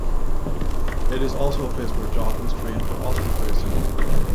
It is also a place where Jockeys train for Ostrich racing.